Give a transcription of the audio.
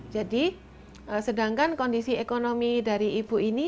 jadi sedangkan kondisi ekonomi dari ibu ini